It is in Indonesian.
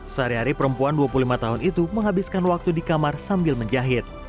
sehari hari perempuan dua puluh lima tahun itu menghabiskan waktu di kamar sambil menjahit